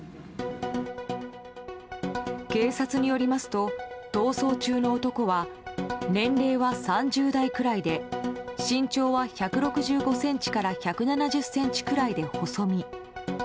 警察によりますと逃走中の男は年齢は３０代くらいで身長は１６５ｃｍから１７０ｃｍくらいで細身。